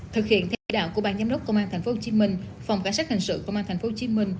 thực hiện theo chỉ đạo của ban giám đốc công an tp hcm phòng cảnh sát hình sự công an tp hcm